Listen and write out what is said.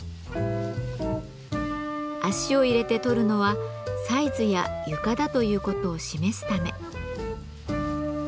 足を入れて撮るのはサイズや床だという事を示すため。